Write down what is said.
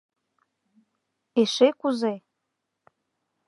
Эше кузе!